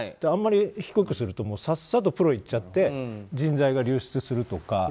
あんまり低くするとさっさとプロに行っちゃって人材が流出するとか。